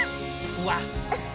うわっ。